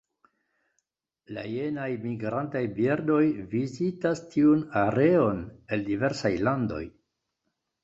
La jenaj migrantaj birdoj vizitas tiun areon el diversaj landoj.